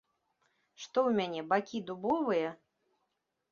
Што ў мяне, бакі дубовыя?